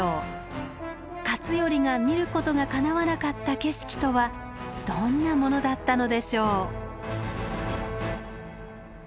勝頼が見ることがかなわなかった景色とはどんなものだったのでしょう？